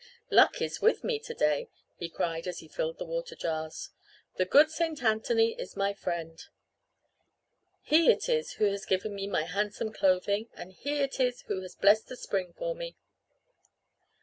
"Luck is with me to day!" he cried as he filled the water jars. "The good saint Anthony is my friend. He it is who has given me my handsome clothing and he it is who has blessed the spring for me."